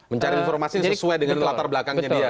mencari informasi yang sesuai dengan latar belakangnya dia